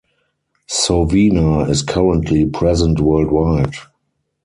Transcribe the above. Sovena is currently present worldwide.